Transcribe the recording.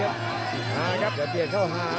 โอ้อย่าเกี่ยงเข้าหา